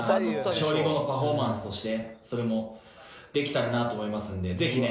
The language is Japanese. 勝利後のパフォーマンスとしてそれもできたらなと思いますんでぜひね。